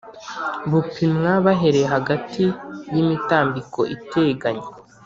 Bupimwa bahereye hagati y imitambiko iteganye